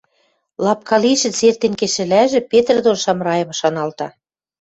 Лапка лишӹц эртен кешӹлӓжӹ, Петр дон Шамрайым шаналта.